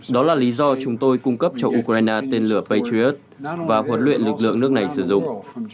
đó là lý do chúng tôi cung cấp cho ukraine tên lửa patriot và huấn luyện lực lượng nước này sử dụng